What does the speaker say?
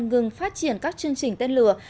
ngừng phát triển các chương trình tên lửa